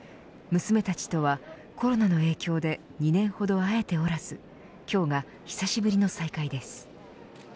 娘たちとはコロナの影響で２年ほど会えておらず今日が久しぶりの再会です。